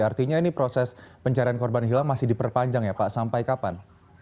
artinya ini proses pencarian korban hilang masih diperpanjang ya pak sampai kapan